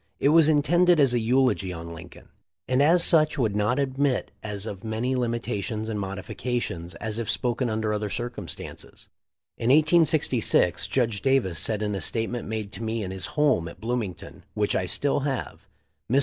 It was intended as a eulogy on Lincoln, and as such would not admit of as many limitations and modifications as if spoken under other circumstances. In 186G Judge Davis said in a statement made to me in his home at Bloomington, which I still have. "Mr.